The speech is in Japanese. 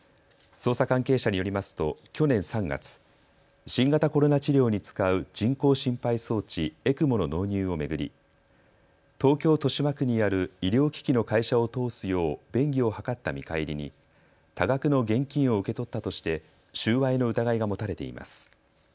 捜査関係者によりますと去年３月、新型コロナ治療に使う人工心肺装置・ＥＣＭＯの納入を巡り、東京豊島区にある医療機器の会社を通すよう便宜を図った見返りに多額の現金を受け取ったとして収賄の疑いが持たれています。